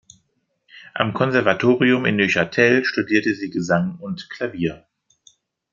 Am Konservatorium in Neuchâtel studierte sie Gesang und Klavier.